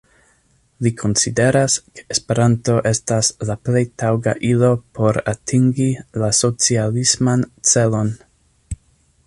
Li konsideras, ke Esperanto estas la plej taŭga ilo por atingi la socialisman celon.